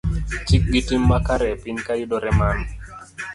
Chik gi tim makare e piny ka, yudore man